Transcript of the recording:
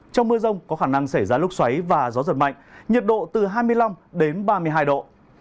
trong mưa rông có khả năng xảy ra lúc xoáy và gió giật mạnh nhiệt độ từ hai mươi năm đến ba mươi hai độ